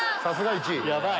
ヤバい！